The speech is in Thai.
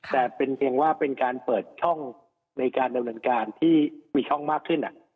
แต่เป็นเพียงว่าเป็นการเปิดช่องในการดำเนินการที่มีช่องมากขึ้น